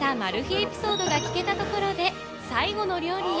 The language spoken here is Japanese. エピソードが聞けたところで、最後の料理へ。